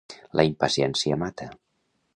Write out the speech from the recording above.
La impaciència mata.